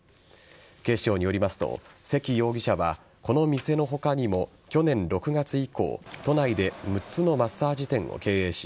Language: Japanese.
警視庁によりますと関容疑者はこの店の他にも、去年６月以降都内で６つのマッサージ店を経営し